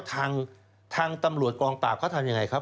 ทางตำรวจกองปราบเขาทำยังไงครับ